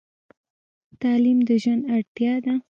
تعلیم د ژوند اړتیا ده.